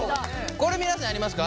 これ皆さんやりますか？